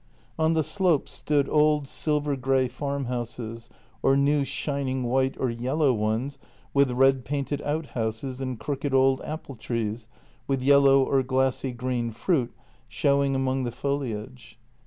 On the slopes stood old silver grey farmhouses or neu r shining white or yellow ones with red painted outhouses and crooked old apple trees with yellow or glassy green fruit showing among the foliage.